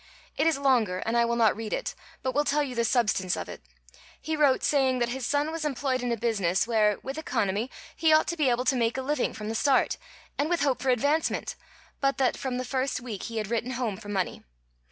It is longer, and I will not read it, but will tell you the substance of it. He wrote saying that his son was employed in a business where, with economy, he ought to be able to make a living from the start, and with hope for advancement, but that from the first week he had written home for money.